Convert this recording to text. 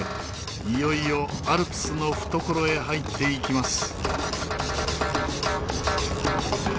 いよいよアルプスの懐へ入っていきます。